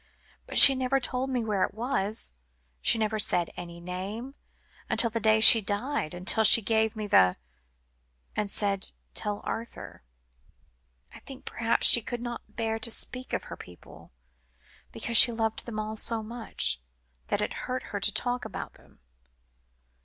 But she never told me where it was; she never said any name, until the day she died; until she gave me the and said 'Tell Arthur' I think perhaps she could not bear to speak of her people, because she loved them all so much, that it hurt her to talk about them."